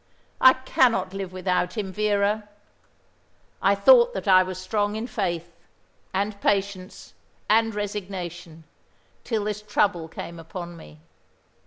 I cannot live without him, Vera. I thought that I was strong in faith, and patience, and resignation, till this trouble came upon me.